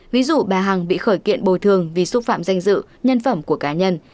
ví dụ bà hằng bị khởi kiện bồi thường vì xúc phạm danh dự nhân phẩm của cá nhân